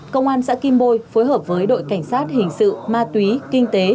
công an xã kim bôi phối hợp với đội cảnh sát hình sự ma túy kinh tế